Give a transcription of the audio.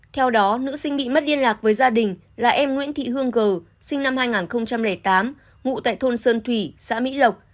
theo đó nữ sinh bị mất liên lạc với gia đình là em nguyễn thị hương gờ sinh năm hai nghìn tám ngụ tại thôn sơn thủy xã mỹ lộc